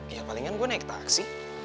ya palingan gue naik taksi